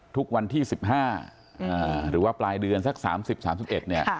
วันที่๑๕หรือว่าปลายเดือนสัก๓๐๓๑เนี่ย